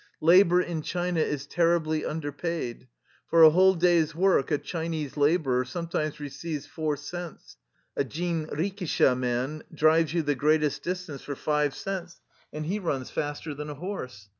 Labor in China is terribly underpaid. For a whole day's work a Chinese laborer some times receives four cents; a jinrikisha man drives you the greatest distance for five cents; and he runs faster than a horse.